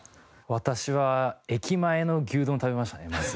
私は駅前の牛丼を食べましたねまず。